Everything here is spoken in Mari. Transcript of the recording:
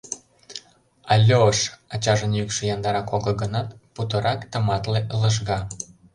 — Альош! — ачажын йӱкшӧ яндарак огыл гынат, путырак тыматле, лыжга.